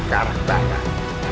ke arah bahkan